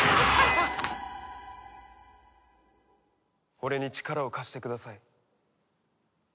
俺に力を貸してください。